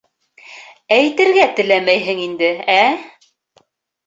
— Әйтергә теләмәйһең инде, ә?